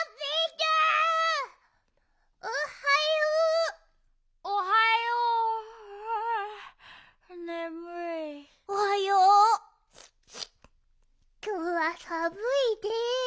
きょうはさぶいで。